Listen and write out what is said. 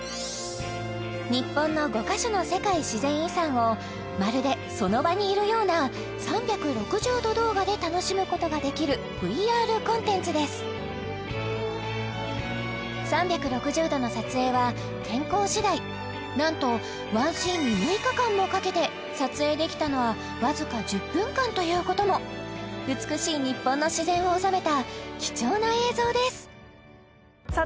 日本の５カ所の世界自然遺産をまるでその場にいるような３６０度動画で楽しむことができるＶＲコンテンツです３６０度の撮影は天候次第なんと１シーンに６日間もかけて撮影できたのはわずか１０分間ということも美しい日本の自然を収めた貴重な映像ですさあ